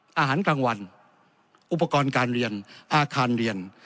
อาหารกลางวันอุปกรณ์การเรียนอาคารเรียน